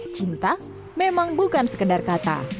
cinta memang bukan sekedar kata